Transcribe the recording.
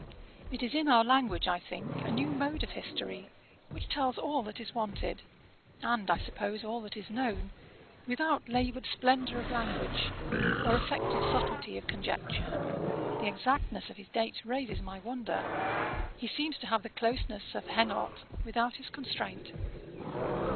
It is in our language, I think, a new mode of history, which tells all that is wanted, and, I suppose, all that is known, without laboured splendour of language, or affected subtilty of conjecture. The exactness of his dates raises my wonder. He seems to have the closeness of Henault without his constraint.